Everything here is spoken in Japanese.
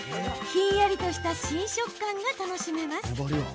ひんやりとした新食感が楽しめます。